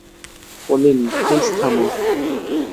Pauline, please থামো।